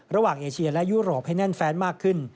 เอเชียและยุโรปให้แน่นแฟนมากขึ้น